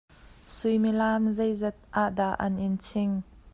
Suimilam zeizat ah dah an in ching?